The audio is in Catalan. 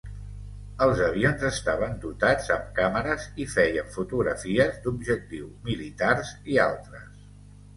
Els avions estaven dotats amb càmeres i feien fotografies d'objectius militars i altres.